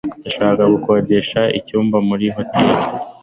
Ndashaka gukodesha icyumba muri hoteri.